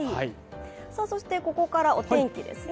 ここからお天気ですね。